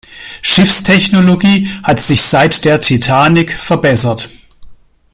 Schiffstechnologie hat sich seit der Titanic verbessert.